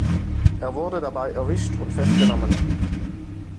Er wurde dabei erwischt und festgenommen.